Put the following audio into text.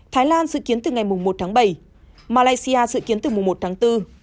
thái lan dự kiến từ ngày một tháng bảy malaysia dự kiến từ mùa một tháng bốn